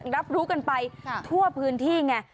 รับรู้กันไปทั่วพื้นที่ไง